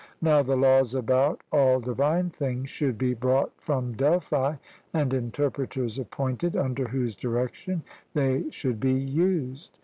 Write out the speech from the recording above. Now the laws about all divine things should be brought from Delphi, and interpreters appointed, under whose direction they should be used.